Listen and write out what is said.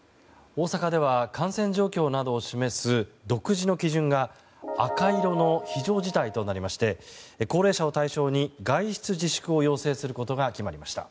大阪では感染状況などを示す独自の基準が赤色の非常事態となりまして高齢者を対象に外出自粛を要請することが決まりました。